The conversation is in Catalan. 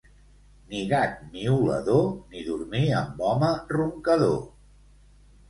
Ni gat miolador, ni dormir amb home roncador.